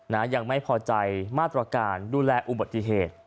ยังไม่พอใจมาตรการดูแลอุบัติเหตุ